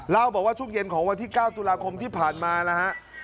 เล่าบอกว่าช่วงเย็นของวันที่๙ตุลาคมที่ผ่านมานะฮะ